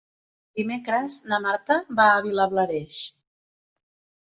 Dimecres na Marta va a Vilablareix.